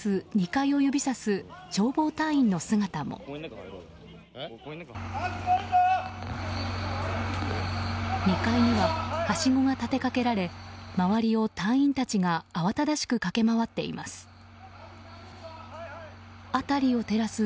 ２階には、はしごが立てかけられ周りを隊員たちが慌ただしく駆け回っています。